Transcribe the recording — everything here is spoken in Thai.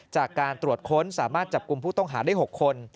จากการตรวจค้นสามารถจับกลุ่มผู้ต้องหาได้๖คน